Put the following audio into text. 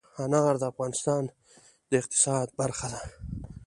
انار د افغانستان د اقتصاد برخه ده.